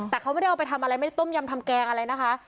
แต่เขาไม่ได้เอาไปทำอะไรไม่ได้ต้มยำทำแกงอะไรนะคะ